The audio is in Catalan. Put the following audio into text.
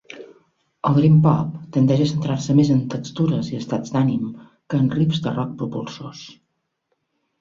El dream pop tendeix a centrar-se més en textures i estats d'ànim que en riffs de rock propulsors.